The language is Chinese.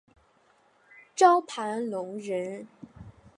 周盘龙人。